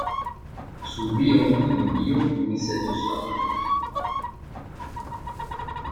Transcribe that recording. Sous Louis onze, les billots pourrissaient de sang.